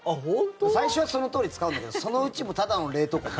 最初はそのとおり使うんだけどそのうち、ただの冷凍庫に。